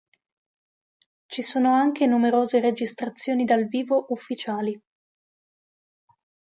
Ci sono anche numerose registrazioni dal vivo ufficiali.